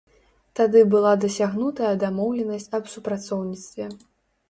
Тады была дасягнутая дамоўленасць аб супрацоўніцтве.